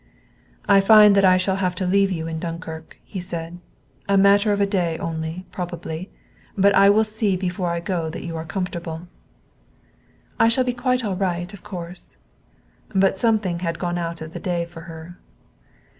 "I find that I shall have to leave you in Dunkirk," he said. "A matter of a day only, probably. But I will see before I go that you are comfortable." "I shall be quite all right, of course." But something had gone out of the day for her.